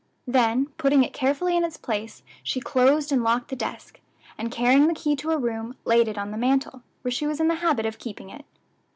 Then, putting it carefully in its place, she closed and locked the desk, and carrying the key to her room, laid it on the mantel, where she was in the habit of keeping it.